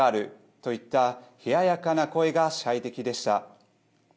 といった冷ややかな声が支配的でした。